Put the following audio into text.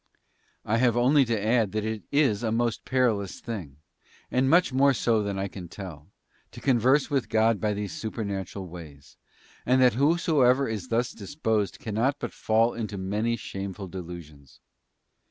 I have only to add that, it is a most perilous thing, and much more so than I can tell, to converse with God by these supernatural ways, and that whosoever is thus disposed cannot but fall into many shameful delusions.